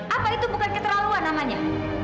apa itu bukan keterlaluan namanya